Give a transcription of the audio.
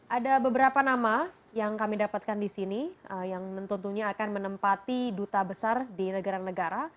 ada beberapa nama yang kami dapatkan di sini yang tentunya akan menempati duta besar di negara negara